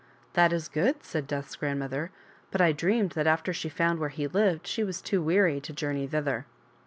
" That is good," said Death's grandmother, " but I dreamed that after she found where he lived, she was too weaiy to journey thither."